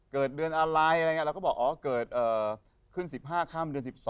เกิดเดือนอะไรเราก็บอกอ๋อเกิดขึ้น๑๕ค่ำเดือน๑๒